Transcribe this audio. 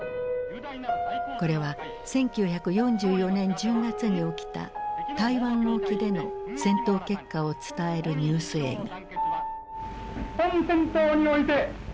これは１９４４年１０月に起きた台湾沖での戦闘結果を伝えるニュース映画。